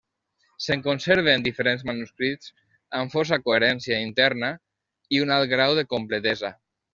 Se'n conserven diferents manuscrits amb força coherència interna i un alt grau de completesa.